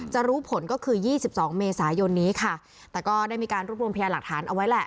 รู้ผลก็คือ๒๒เมษายนนี้ค่ะแต่ก็ได้มีการรวบรวมพยานหลักฐานเอาไว้แหละ